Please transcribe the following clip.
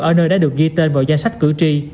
ở nơi đã được ghi tên vào danh sách cử tri